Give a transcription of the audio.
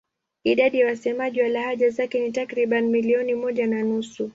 Idadi ya wasemaji wa lahaja zake ni takriban milioni moja na nusu.